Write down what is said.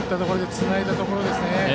つないだところですね。